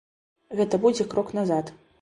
Гэта будзе крок назад.